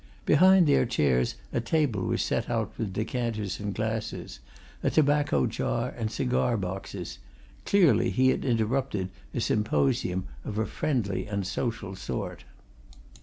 Behind their chairs a table was set out with decanters and glasses, a tobacco jar and cigar boxes: clearly he had interrupted a symposium of a friendly and social sort.